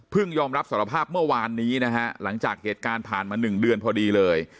ยอมรับสารภาพเมื่อวานนี้นะฮะหลังจากเหตุการณ์ผ่านมา๑เดือนพอดีเลย